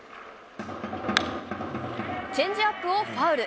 チェンジアップをファウル。